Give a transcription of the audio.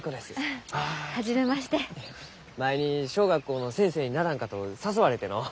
前に小学校の先生にならんかと誘われてのう。